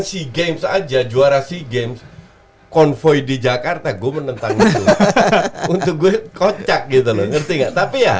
si games aja juara si games konvoy di jakarta gue menentang untuk gue kocak gitu loh tapi ya